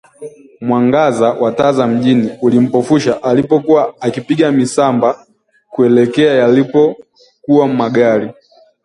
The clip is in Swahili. Mwangaza wa taa za mjini ulimpofusha alipokuwa akipiga misamba kuelekea yalipokuwa magari